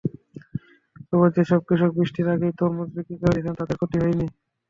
তবে যেসব কৃষক বৃষ্টির আগেই তরমুজ বিক্রি করে দিয়েছেন, তাঁদের ক্ষতি হয়নি।